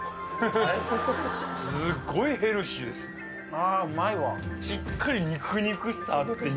あぁうまいわ。